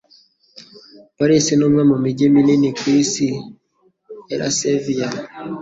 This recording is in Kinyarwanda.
Paris ni umwe mu mijyi minini ku isi. (ellasevia)